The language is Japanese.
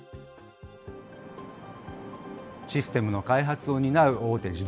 システムの開発を担う大手